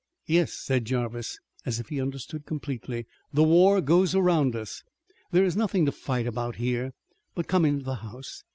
"Yes," said Jarvis, as if he understood completely, "the war goes around us. There is nothing to fight about here. But come into the house.